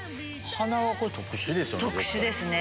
鼻は特殊ですよね。